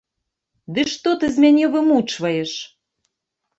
Ды што ты з мяне вымучваеш?